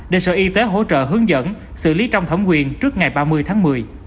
để sở y tế hỗ trợ hướng dẫn xử lý trong thẩm quyền trước ngày ba mươi tháng một mươi